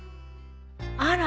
あら